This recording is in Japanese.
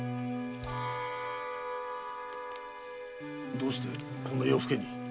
どうしてこんな夜更けに？